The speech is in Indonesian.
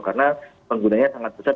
karena penggunanya sangat besar